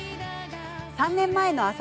３年前の朝